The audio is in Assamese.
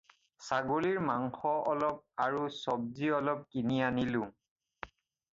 ছাগলীৰ মাংস অলপ আৰু 'চবজি' অলপ কিনি আনিলোঁ।